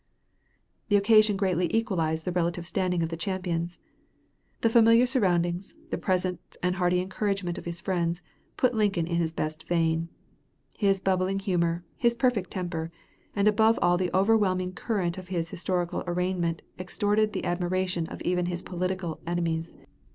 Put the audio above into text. The occasion greatly equalized the relative standing of the champions. The familiar surroundings, the presence and hearty encouragement of his friends, put Lincoln in his best vein. His bubbling humor, his perfect temper, and above all the overwhelming current of his historical arraignment extorted the admiration of even his political enemies.